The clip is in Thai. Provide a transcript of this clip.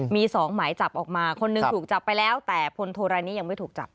มี๒หมายจับออกมาคนหนึ่งถูกจับไปแล้วแต่พลโทรายนี้ยังไม่ถูกจับ